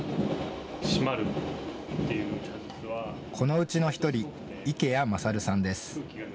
このうちの１人、池谷賢さんです。